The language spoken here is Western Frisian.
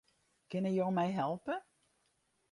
Kinne jo my helpe?